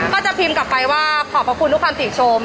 ก็จะพิมพ์กลับไปว่าขอบพระคุณทุกคำติชม